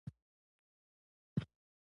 روژه د بدو عادتونو ماتولو وخت دی.